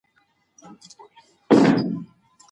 ولي محنتي ځوان د تکړه سړي په پرتله برخلیک بدلوي؟